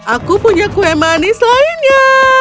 aku punya kue manis lainnya